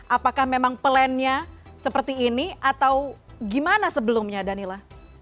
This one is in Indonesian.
apakah memang plannya seperti ini atau gimana sebelumnya danila